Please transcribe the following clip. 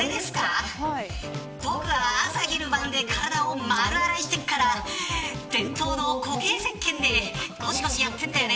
僕は朝昼晩体を丸洗いしているから伝統の固形せっけんでごしごし、やってるんだよね。